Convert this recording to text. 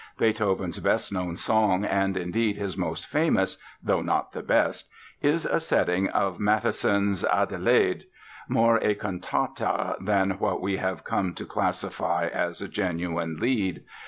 Beethoven's best known song and, indeed, his most famous (though not the best) is the setting of Matthisson's Adelaide—more a cantate than what we have come to classify as a genuine Lied.